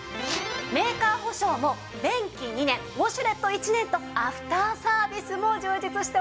メーカー保証も便器２年ウォシュレット１年とアフターサービスも充実しております。